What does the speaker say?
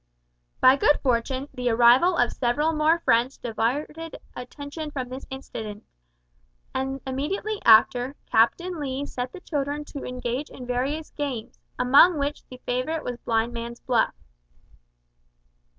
By good fortune, the arrival of several more friends diverted attention from this incident; and, immediately after, Captain Lee set the children to engage in various games, among which the favourite was blindman's buff.